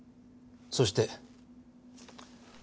そして。